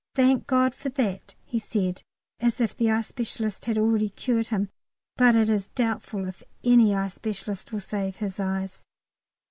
"Thank God for that," he said, as if the eye specialist had already cured him, but it is doubtful if any eye specialist will save his eyes.